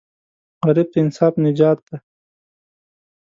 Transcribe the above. غریب ته انصاف نجات دی